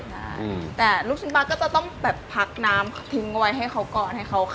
ปกติของลูกชิ้นปลาก็จะต้องผักน้ำพอขายเค็ม